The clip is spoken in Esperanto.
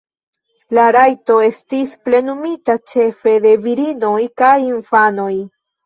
La rajto estis plenumita ĉefe de virinoj kaj infanoj.